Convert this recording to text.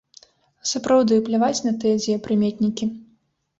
Сапраўды, пляваць на тыя дзеепрыметнікі.